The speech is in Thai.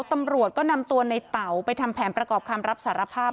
ตำรวจก็นำตัวในเต๋าไปทำแผนประกอบคำรับสารภาพ